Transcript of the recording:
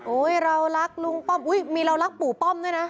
เรารักลุงป้อมอุ๊ยมีเรารักปู่ป้อมด้วยนะ